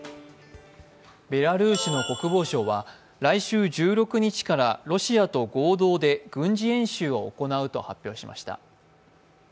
ベラルーシの国防省は来週１６日からロシアと合同で軍事演習を行うと発表しました。